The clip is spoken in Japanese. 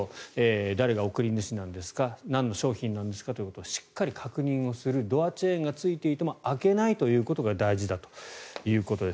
誰が送り主なんですかなんの商品なんですかということをしっかり確認をするドアチェーンがついていても開けないということが大事だということです。